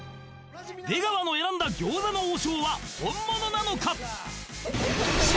出川の選んだ餃子の王将は本物なのか？